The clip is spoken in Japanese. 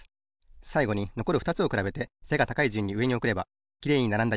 さいごにのこるふたつをくらべて背が高いじゅんにうえにおくればきれいにならんだ